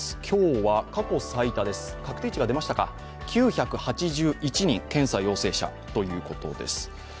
今日は過去最多です、確定値が出ましたか、９８１人、検査陽性者ということです。